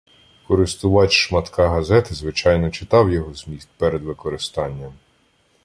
Користувач шматка газети звичайно читав його зміст перед використанням.